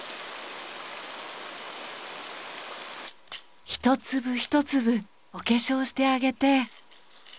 一粒一粒お化粧してあげて。